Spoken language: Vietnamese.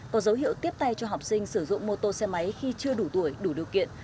có dấu hiệu tiếp tay cho học sinh sử dụng mô tô xe máy khi chưa đủ tuổi đủ điều kiện